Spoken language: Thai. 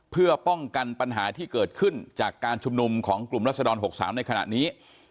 เพื่อป้องกันปัญหาที่เกิดขึ้นจากการชุมนุมของกลุ่มรัศดร๖๓ในขณะนี้